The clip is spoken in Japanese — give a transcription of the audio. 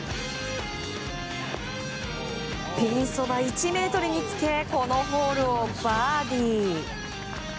ピンそば１ｍにつけこのホールをバーディー。